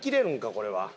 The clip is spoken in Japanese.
これは。